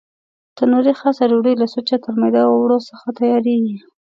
تنوري خاصه ډوډۍ له سوچه ترمیده اوړو څخه تیارېږي.